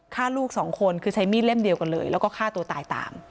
ฆ่าลูกสองคนคือใช้มีดเล่มเดียวกันเลยแล้วก็ฆ่าตัวตายตาม